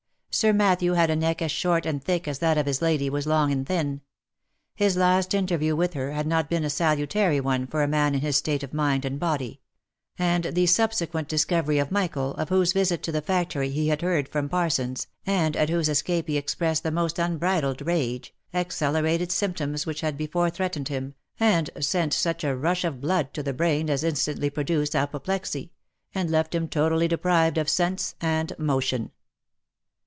Sir Matthew had a neck as short and thick as that of his lady was long and thin. His last interview with her had not been a salutary one for a man in his 2 a2 356" THE LIFE AND ADVENTURES state of mind and body; and the subsequent discovery of Michael, of whose visit to the factory he had heard from Parsons, and at whose escape he expressed the most unbridled rage, accelerated symptoms which had before threatened him, and sent such a rush of blood to the brain as instantly produced apoplexy, and left him totally deprived of sense and motion.